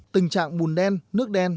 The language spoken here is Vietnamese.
tình trạng bùn đen nước đen